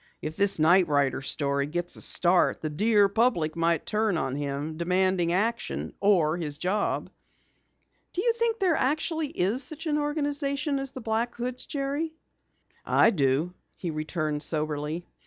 If this night rider story gets a start, the dear public might turn on him, demanding action or his job." "Do you think there actually is such an organization as the Black Hoods, Jerry?" "I do," he returned soberly.